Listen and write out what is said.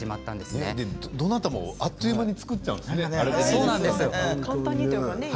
どなたもあっという間に作っちゃうんですね。